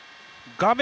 画面